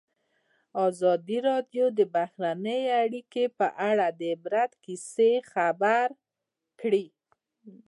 ازادي راډیو د بهرنۍ اړیکې په اړه د عبرت کیسې خبر کړي.